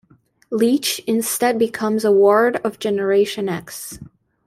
Leech instead becomes a ward of Generation X.